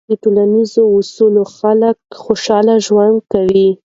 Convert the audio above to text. د ټولنیزې وصلۍ خلک خوشحاله ژوند کوي.